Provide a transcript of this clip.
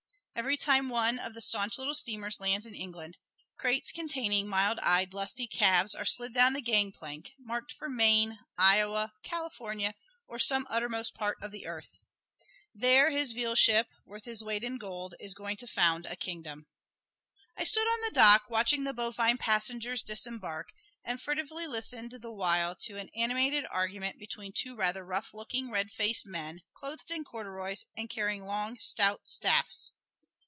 Every time one of these staunch little steamers lands in England, crates containing mild eyed, lusty calves are slid down the gangplank, marked for Maine, Iowa, California, or some uttermost part of the earth. There his vealship (worth his weight in gold) is going to found a kingdom. I stood on the dock watching the bovine passengers disembark, and furtively listened the while to an animated argument between two rather rough looking, red faced men, clothed in corduroys and carrying long, stout staffs.